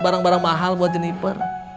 barang barang mahal buat jenniper